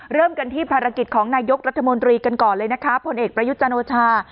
เริ่มกันที่ภารกิจของนายกรัฐมนตรีกันก่อนเลยนะคะผลเอกประยุทธ์จันโอชา